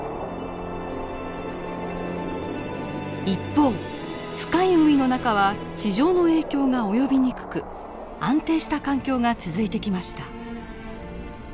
一方深い海の中は地上の影響が及びにくく安定した環境が続いてきました。